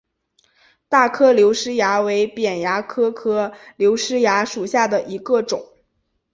大颗瘤虱蚜为扁蚜科颗瘤虱蚜属下的一个种。